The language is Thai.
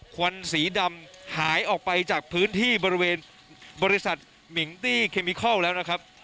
ควันสีดำหายออกไปจากพื้นที่บริเวณบริษัทมิงตี้เคมิคอลแล้วนะครับ